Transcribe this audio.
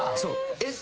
えっ？